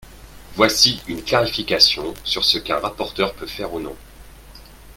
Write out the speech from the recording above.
Voici une clarification sur ce qu’un rapporteur peut faire ou non.